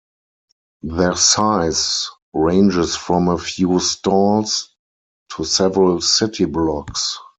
Their size ranges from a few stalls to several city blocks.